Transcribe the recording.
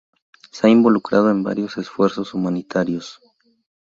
Se ha involucrado en varios esfuerzos humanitarios.